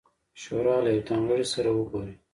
شورا له یوه تن غړي سره وګوري.